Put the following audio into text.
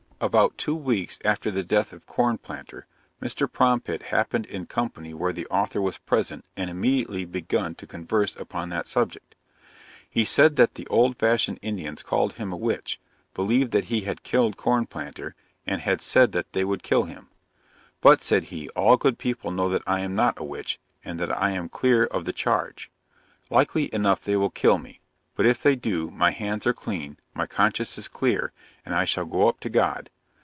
About two weeks after the death of Corn Planter, Mr. Prompit happened in company where the author was present, and immediately begun to converse upon that subject. He said that the old fashioned Indians called him a witch believed that he had killed Corn Planter, and had said that they would kill him. But, said he, all good people know that I am not a witch, and that I am clear of the charge. Likely enough they will kill me; but if they do, my hands are clean, my conscience is clear, and I shall go up to God.